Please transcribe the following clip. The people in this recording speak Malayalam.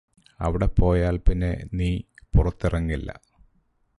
അവിടെ പോയാല് പിന്നെ നീ പുറത്തിറങ്ങില്ല